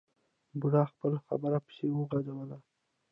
بوډا خپله خبره پسې وغځوله.